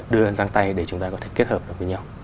đưa ra tay để chúng ta có thể kết hợp được với nhau